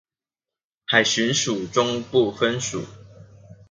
海巡署中部分署